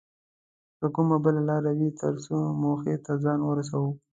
که کومه بله لاره وي تر څو موخې ته ځان ورسوو